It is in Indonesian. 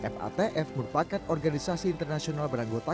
fatf merupakan organisasi internasional beranggota